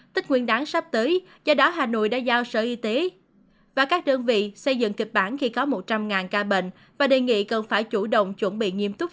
tích nguyên đáng sắp tới do đó hà nội đã giao sở y tế và các đơn vị xây dựng kịch bản khi có một trăm linh ca bệnh và đề nghị cần phải chủ động chuẩn bị nghiêm túc